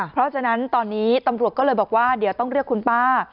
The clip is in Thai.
เพราะฉะนั้นตอนนี้ตำรวจก็เลยบอกว่าเดี๋ยวต้องเรียกคุณป้า